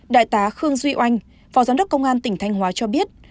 đại tá khương duy anh phó giám đốc công an tỉnh thanh hóa cho biết